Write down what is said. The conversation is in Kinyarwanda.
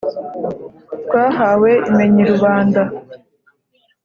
twahawe imenyi rubanda,